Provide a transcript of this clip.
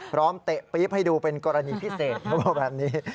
พร้อมเตะปลิ๊บให้ดูเป็นกรณีพิเศษเพราะว่าแบบนี้